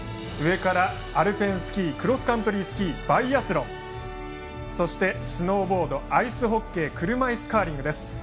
上からアルペンスキークロスカントリースキーバイアスロンそしてスノーボードアイスホッケー車いすカーリングです。